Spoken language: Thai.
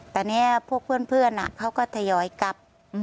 แต่เนี่ยพวกเพื่อนเขาก็ทยอยกลับ